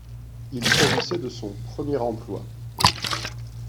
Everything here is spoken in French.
Il s'agissait de son premier emploi.